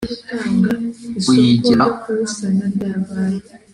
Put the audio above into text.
uyigiraho